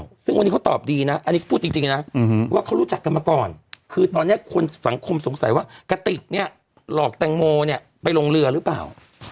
ซึ่งวันนี้เขาตอบดีนะอันนี้พูดจริงนะว่าเขารู้จักกันมาก่อนคือตอนนี้คนสังคมสงสัยว่ากะติกเนี่ยหลอกแตงโมเนี่ยไปลงเรือหรือเปล่า